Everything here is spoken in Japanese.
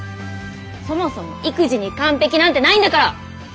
そもそも育児に完璧なんてないんだから！